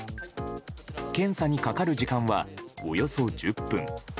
検査にかかる時間はおよそ１０分。